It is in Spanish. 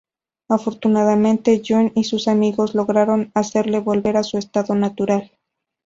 Afortunadamente, June y sus amigos lograron hacerle volver a su estado natural.